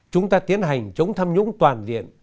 chúng ta tiến hành chống tham nhũng toàn diện